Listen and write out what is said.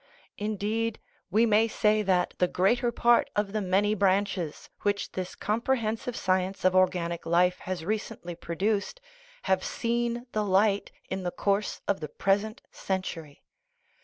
In deed, we may say that the greater part of the many branches which this comprehensive science of organic life has recently produced have seen the light in the course of the present century.